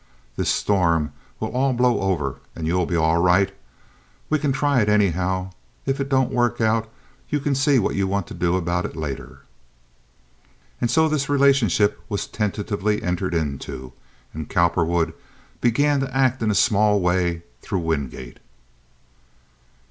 This storm will all blow over, and you'll be all right. We can try it, anyhow. If it don't work out you can see what you want to do about it later." And so this relationship was tentatively entered into and Cowperwood began to act in a small way through Wingate.